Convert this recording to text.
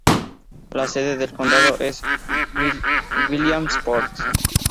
La sede del condado es Williamsport.